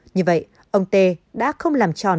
như vậy ông tê đã không làm tròn